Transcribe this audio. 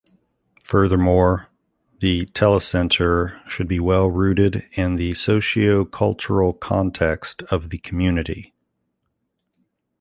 Furthermore, the telecentre should be well rooted in the socio-cultural context of the community.